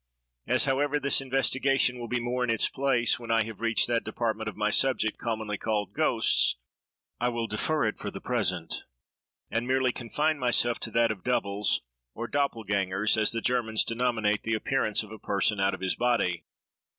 As, however, this investigation will be more in its place when I have reached that department of my subject commonly called ghosts, I will defer it for the present, and merely confine myself to that of doubles, or doppelgängers, as the Germans denominate the appearance of a person out of his body.